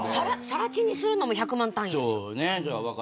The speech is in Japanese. さら地にするのも１００万単位。